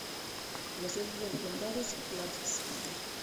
La sede del condado es Clarksville.